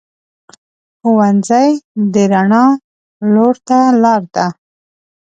ښوونځی د رڼا لور ته لار ده